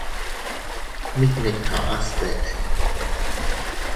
Mit ne kaʼa sbeʼe.